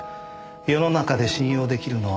世の中で信用出来るのは。